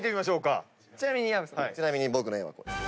ちなみに僕の絵は。